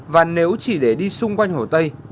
và nếu chỉ để đi xung quanh hồ tây